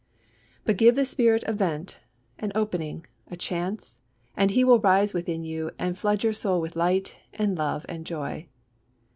But give the Spirit a vent, an opening, a chance, and He will rise within you and flood your soul with light and love and joy.